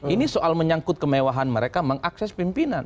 ini soal menyangkut kemewahan mereka mengakses pimpinan